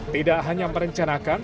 tidak hanya merencanakan